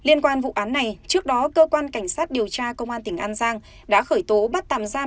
liên quan vụ án này trước đó cơ quan cảnh sát điều tra công an tỉnh an giang đã khởi tố bắt tạm giam